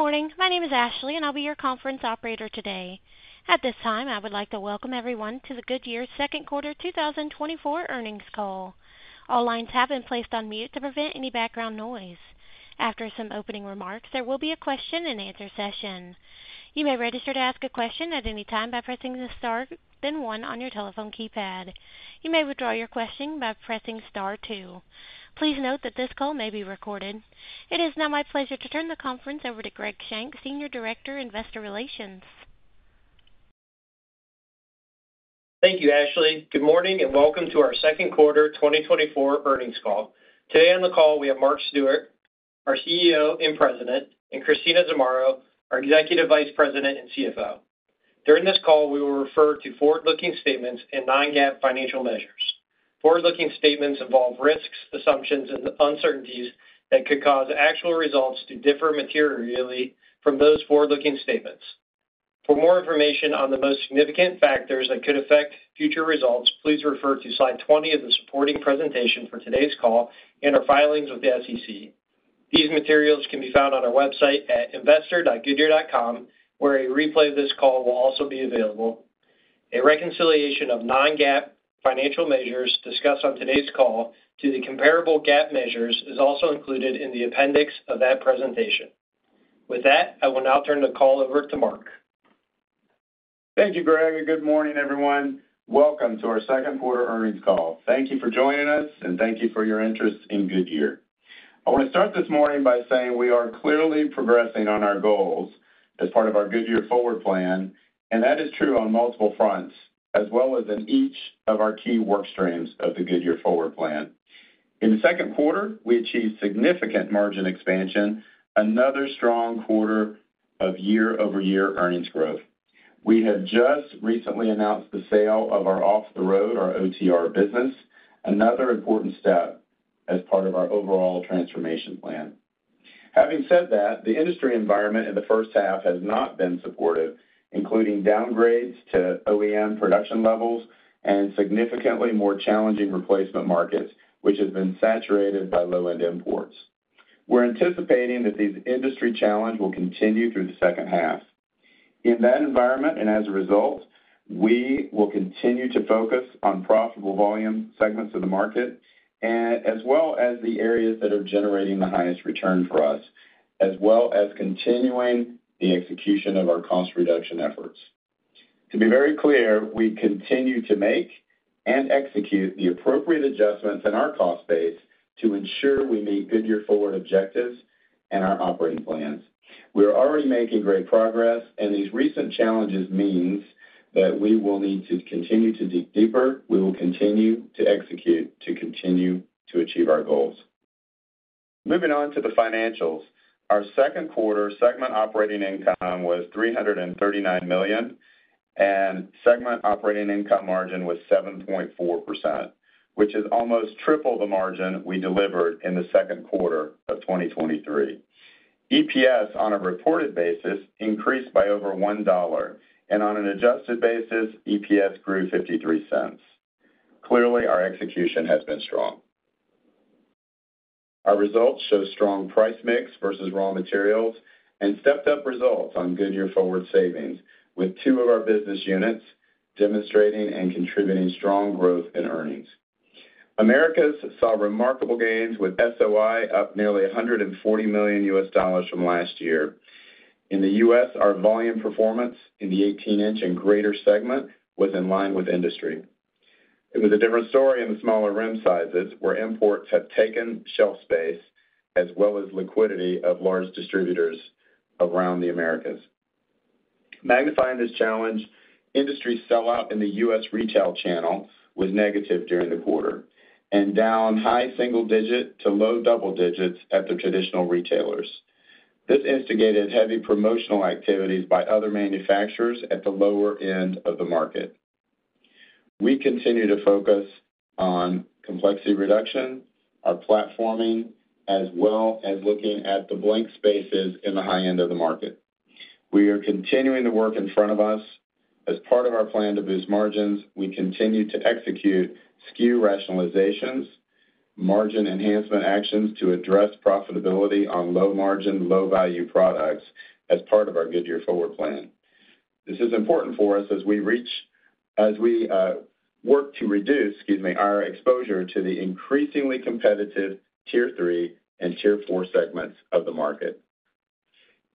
Good morning. My name is Ashley, and I'll be your conference operator today. At this time, I would like to welcome everyone to Goodyear's second quarter 2024 earnings call. All lines have been placed on mute to prevent any background noise. After some opening remarks, there will be a question-and-answer session. You may register to ask a question at any time by pressing the star then one on your telephone keypad. You may withdraw your question by pressing star two. Please note that this call may be recorded. It is now my pleasure to turn the conference over to Greg Shank, Senior Director, Investor Relations. Thank you, Ashley. Good morning and welcome to our second quarter 2024 earnings call. Today on the call, we have Mark Stewart, our CEO and President, and Christina Zamarro, our Executive Vice President and CFO. During this call, we will refer to forward-looking statements and non-GAAP financial measures. Forward-looking statements involve risks, assumptions, and uncertainties that could cause actual results to differ materially from those forward-looking statements. For more information on the most significant factors that could affect future results, please refer to Slide 20 of the supporting presentation for today's call and our filings with the SEC. These materials can be found on our website at investor.goodyear.com, where a replay of this call will also be available. A reconciliation of non-GAAP financial measures discussed on today's call to the comparable GAAP measures is also included in the appendix of that presentation. With that, I will now turn the call over to Mark. Thank you, Greg. Good morning, everyone. Welcome to our second quarter earnings call. Thank you for joining us, and thank you for your interest in Goodyear. I want to start this morning by saying we are clearly progressing on our goals as part of our Goodyear Forward plan, and that is true on multiple fronts, as well as in each of our key work streams of the Goodyear Forward plan. In the second quarter, we achieved significant margin expansion, another strong quarter of year-over-year earnings growth. We have just recently announced the sale of our off-the-road, our OTR business, another important step as part of our overall transformation plan. Having said that, the industry environment in the first half has not been supportive, including downgrades to OEM production levels and significantly more challenging replacement markets, which have been saturated by low-end imports. We're anticipating that these industry challenges will continue through the second half. In that environment and as a result, we will continue to focus on profitable volume segments of the market, as well as the areas that are generating the highest return for us, as well as continuing the execution of our cost reduction efforts. To be very clear, we continue to make and execute the appropriate adjustments in our cost base to ensure we meet Goodyear Forward objectives and our operating plans. We are already making great progress, and these recent challenges mean that we will need to continue to dig deeper. We will continue to execute to continue to achieve our goals. Moving on to the financials, our second quarter segment operating income was $339 million, and segment operating income margin was 7.4%, which is almost triple the margin we delivered in the second quarter of 2023. EPS on a reported basis increased by over $1, and on an adjusted basis, EPS grew $0.53. Clearly, our execution has been strong. Our results show strong price mix versus raw materials and stepped-up results on Goodyear Forward savings, with two of our business units demonstrating and contributing strong growth in earnings. Americas saw remarkable gains, with SOI up nearly $140 million from last year. In the U.S., our volume performance in the 18-inch and greater segment was in line with industry. It was a different story in the smaller rim sizes, where imports have taken shelf space as well as liquidity of large distributors around the Americas. Magnifying this challenge, industry sellout in the U.S. retail channel was negative during the quarter, and down high single-digit to low double digits at the traditional retailers. This instigated heavy promotional activities by other manufacturers at the lower end of the market. We continue to focus on complexity reduction, our platforming, as well as looking at the blank spaces in the high end of the market. We are continuing the work in front of us. As part of our plan to boost margins, we continue to execute SKU rationalizations, margin enhancement actions to address profitability on low-margin, low-value products as part of our Goodyear Forward plan. This is important for us as we work to reduce our exposure to the increasingly competitive Tier 3 and Tier 4 segments of the market.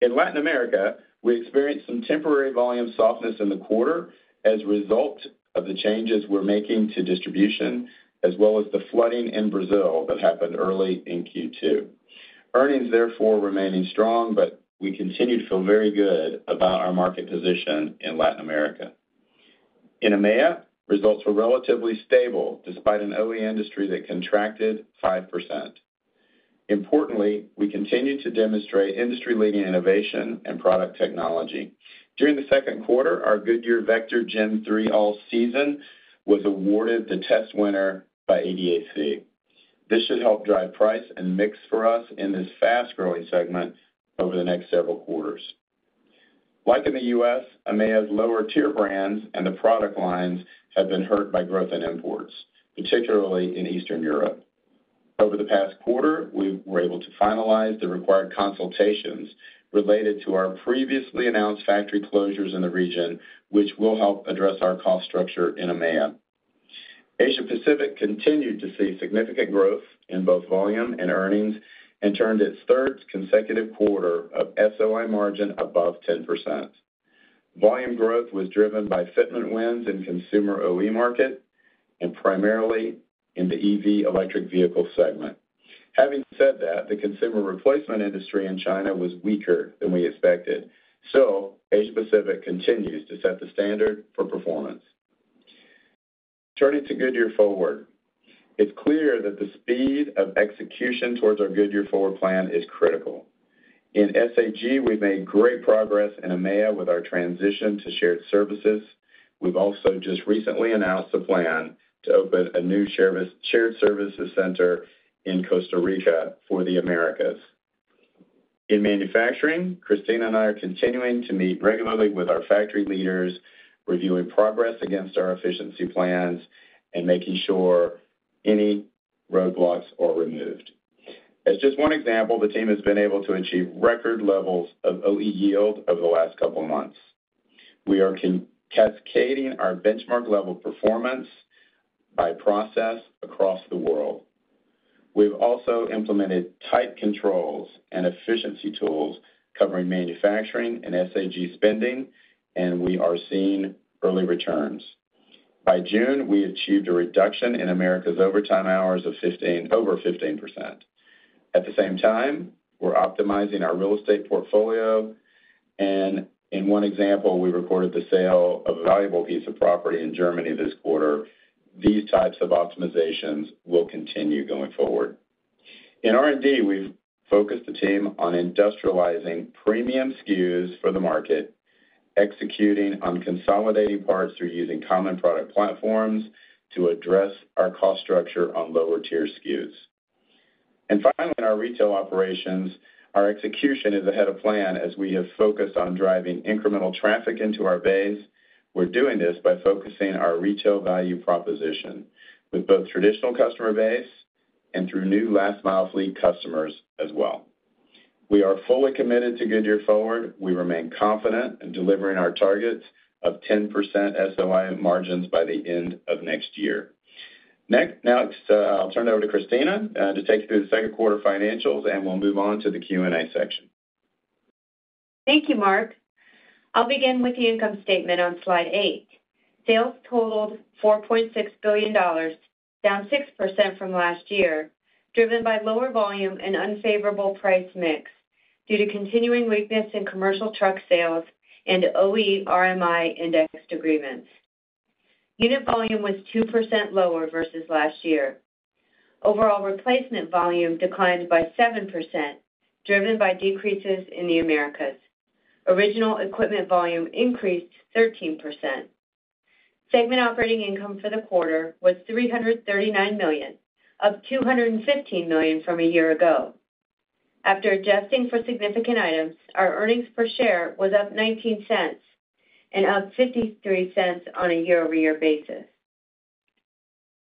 In Latin America, we experienced some temporary volume softness in the quarter as a result of the changes we're making to distribution, as well as the flooding in Brazil that happened early in Q2. Earnings, therefore, remained strong, but we continue to feel very good about our market position in Latin America. In EMEA, results were relatively stable despite an OEM industry that contracted 5%. Importantly, we continue to demonstrate industry-leading innovation and product technology. During the second quarter, our Goodyear Vector 4Seasons Gen-3 was awarded the test winner by ADAC. This should help drive price and mix for us in this fast-growing segment over the next several quarters. Like in the U.S., EMEA's lower-tier brands and the product lines have been hurt by growth in imports, particularly in Eastern Europe. Over the past quarter, we were able to finalize the required consultations related to our previously announced factory closures in the region, which will help address our cost structure in EMEA. Asia-Pacific continued to see significant growth in both volume and earnings and turned its third consecutive quarter of SOI margin above 10%. Volume growth was driven by shipment wins in the consumer OE market and primarily in the EV electric vehicle segment. Having said that, the consumer replacement industry in China was weaker than we expected, so Asia-Pacific continues to set the standard for performance. Turning to Goodyear Forward, it's clear that the speed of execution towards our Goodyear Forward plan is critical. In SAG, we've made great progress in EMEA with our transition to shared services. We've also just recently announced a plan to open a new shared services center in Costa Rica for the Americas. In manufacturing, Christina and I are continuing to meet regularly with our factory leaders, reviewing progress against our efficiency plans and making sure any roadblocks are removed. As just one example, the team has been able to achieve record levels of OE yield over the last couple of months. We are cascading our benchmark-level performance by process across the world. We've also implemented tight controls and efficiency tools covering manufacturing and SAG spending, and we are seeing early returns. By June, we achieved a reduction in Americas' overtime hours of over 15%. At the same time, we're optimizing our real estate portfolio, and in one example, we recorded the sale of a valuable piece of property in Germany this quarter. These types of optimizations will continue going forward. In R&D, we've focused the team on industrializing premium SKUs for the market, executing on consolidating parts through using common product platforms to address our cost structure on lower-tier SKUs. And finally, in our retail operations, our execution is ahead of plan as we have focused on driving incremental traffic into our base. We're doing this by focusing our retail value proposition with both traditional customer base and through new last-mile fleet customers as well. We are fully committed to Goodyear Forward. We remain confident in delivering our targets of 10% SOI margins by the end of next year. Now, I'll turn it over to Christina to take you through the second quarter financials, and we'll move on to the Q&A section. Thank you, Mark. I'll begin with the income statement on Slide 8. Sales totaled $4.6 billion, down 6% from last year, driven by lower volume and unfavorable price mix due to continuing weakness in commercial truck sales and OE RMI indexed agreements. Unit volume was 2% lower versus last year. Overall replacement volume declined by 7%, driven by decreases in the Americas. Original equipment volume increased 13%. Segment operating income for the quarter was $339 million, up $215 million from a year ago. After adjusting for significant items, our earnings per share was up $0.19 and up $0.53 on a year-over-year basis.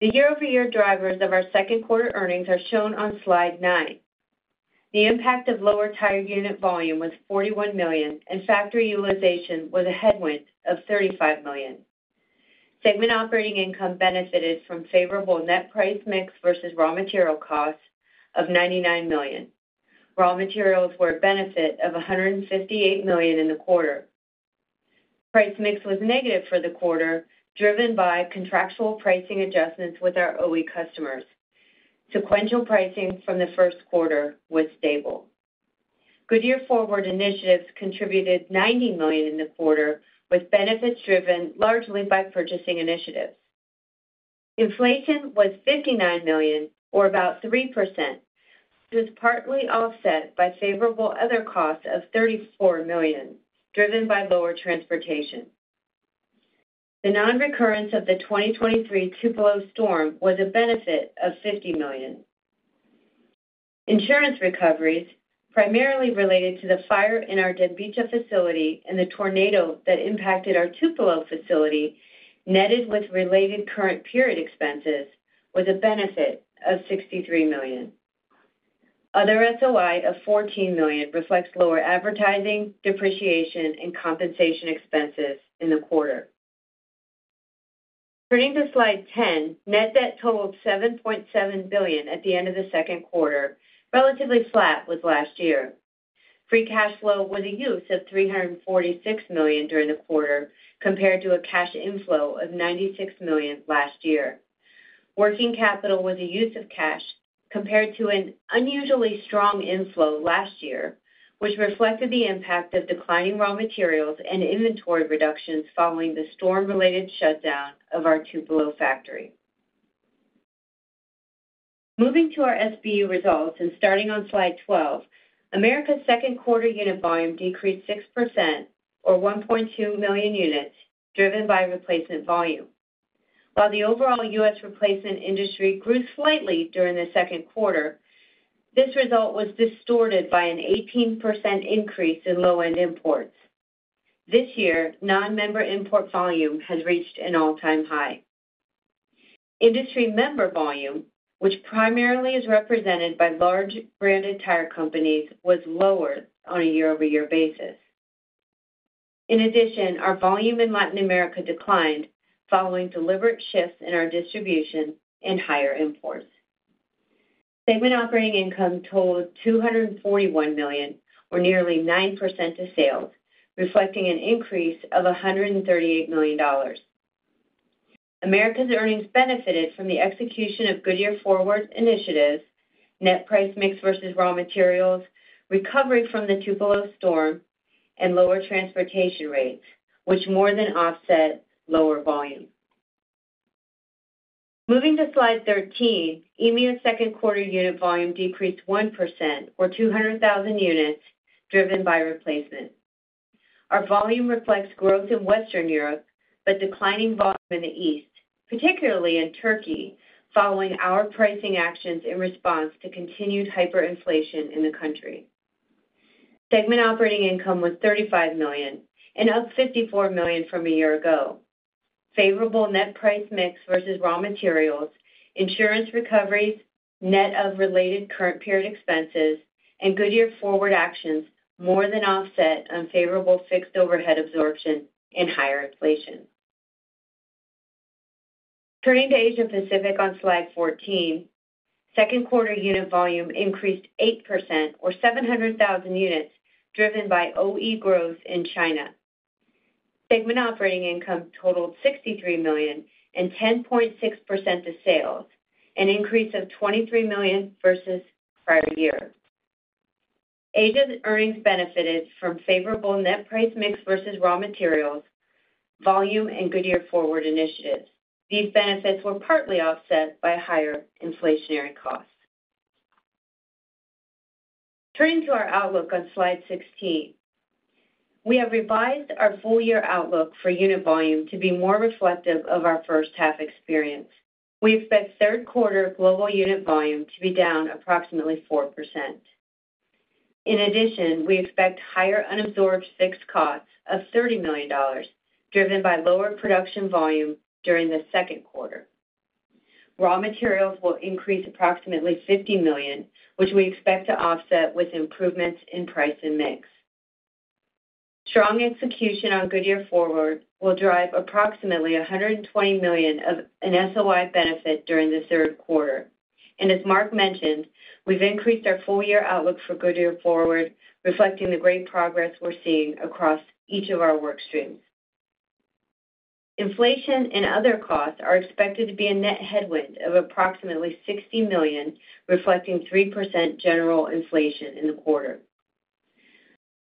The year-over-year drivers of our second quarter earnings are shown on Slide 9. The impact of lower tire unit volume was $41 million, and factory utilization was a headwind of $35 million. Segment operating income benefited from favorable net price mix versus raw material costs of $99 million. Raw materials were a benefit of $158 million in the quarter. Price mix was negative for the quarter, driven by contractual pricing adjustments with our OE customers. Sequential pricing from the first quarter was stable. Goodyear Forward initiatives contributed $90 million in the quarter, with benefits driven largely by purchasing initiatives. Inflation was $59 million, or about 3%, which was partly offset by favorable other costs of $34 million, driven by lower transportation. The non-recurrence of the 2023 Tupelo storm was a benefit of $50 million. Insurance recoveries, primarily related to the fire in our Debica facility and the tornado that impacted our Tupelo facility, netted with related current period expenses, was a benefit of $63 million. Other SOI of $14 million reflects lower advertising, depreciation, and compensation expenses in the quarter. Turning to Slide 10, net debt totaled $7.7 billion at the end of the second quarter, relatively flat with last year. Free cash flow was a use of $346 million during the quarter, compared to a cash inflow of $96 million last year. Working capital was a use of cash, compared to an unusually strong inflow last year, which reflected the impact of declining raw materials and inventory reductions following the storm-related shutdown of our Tupelo factory. Moving to our SBU results and starting on Slide 12, Americas second quarter unit volume decreased 6%, or 1.2 million units, driven by replacement volume. While the overall U.S. replacement industry grew slightly during the second quarter, this result was distorted by an 18% increase in low-end imports. This year, non-member import volume has reached an all-time high. Industry member volume, which primarily is represented by large branded tire companies, was lower on a year-over-year basis. In addition, our volume in Latin America declined following deliberate shifts in our distribution and higher imports. Segment operating income totaled $241 million, or nearly 9% of sales, reflecting an increase of $138 million. Americas' earnings benefited from the execution of Goodyear Forward initiatives, net price mix versus raw materials, recovery from the Tupelo storm, and lower transportation rates, which more than offset lower volume. Moving to Slide 13, EMEA's second quarter unit volume decreased 1%, or 200,000 units, driven by replacement. Our volume reflects growth in Western Europe but declining volume in the East, particularly in Turkey, following our pricing actions in response to continued hyperinflation in the country. Segment operating income was $35 million, an up $54 million from a year ago. Favorable net price mix versus raw materials, insurance recoveries, net of related current period expenses, and Goodyear Forward actions more than offset unfavorable fixed overhead absorption and higher inflation. Turning to Asia-Pacific on Slide 14, second quarter unit volume increased 8%, or 700,000 units, driven by OE growth in China. Segment operating income totaled $63 million, at 10.6% of sales, an increase of $23 million versus prior year. Asia's earnings benefited from favorable net price mix versus raw materials volume and Goodyear Forward initiatives. These benefits were partly offset by higher inflationary costs. Turning to our outlook on Slide 16, we have revised our full-year outlook for unit volume to be more reflective of our first-half experience. We expect third quarter global unit volume to be down approximately 4%. In addition, we expect higher unabsorbed fixed costs of $30 million, driven by lower production volume during the second quarter. Raw materials will increase approximately $50 million, which we expect to offset with improvements in price and mix. Strong execution on Goodyear Forward will drive approximately $120 million of an SOI benefit during the third quarter. As Mark mentioned, we've increased our full-year outlook for Goodyear Forward, reflecting the great progress we're seeing across each of our work streams. Inflation and other costs are expected to be a net headwind of approximately $60 million, reflecting 3% general inflation in the quarter.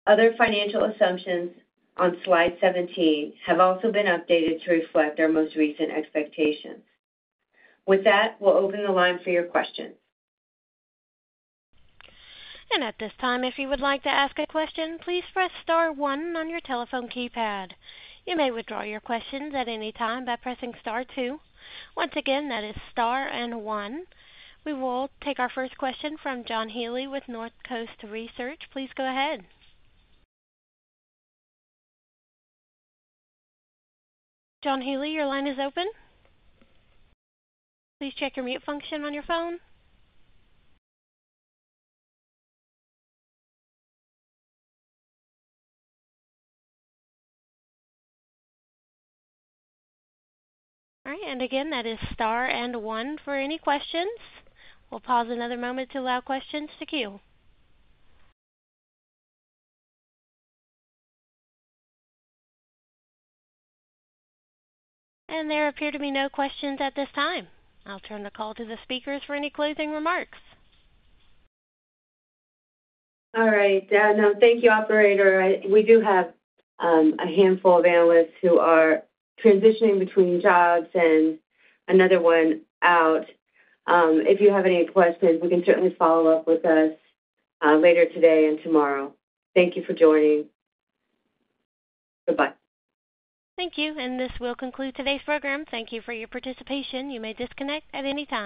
Other financial assumptions on Slide 17 have also been updated to reflect our most recent expectations. With that, we'll open the line for your questions. And at this time, if you would like to ask a question, please press Star one on your telephone keypad. You may withdraw your questions at any time by pressing Star two. Once again, that is Star and one. We will take our first question from John Healy with North Coast Research. Please go ahead. John Healy, your line is open. Please check your mute function on your phone. All right. And again, that is Star and one. For any questions, we'll pause another moment to allow questions to queue. And there appear to be no questions at this time. I'll turn the call to the speakers for any closing remarks. All right. No, thank you, Operator. We do have a handful of analysts who are transitioning between jobs and another one out. If you have any questions, we can certainly follow up with us later today and tomorrow. Thank you for joining. Goodbye. Thank you. This will conclude today's program. Thank you for your participation. You may disconnect at any time.